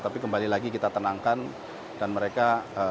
tapi kembali lagi kita tenangkan dan mereka